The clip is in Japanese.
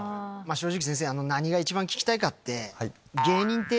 正直先生何が一番聞きたいかって。